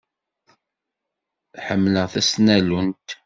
Ḥemmleɣ tasnallunt.